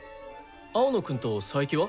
青野くんと佐伯は？